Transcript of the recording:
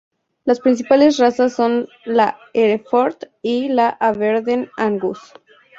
Las principales razas son la Hereford y la Aberdeen Angus.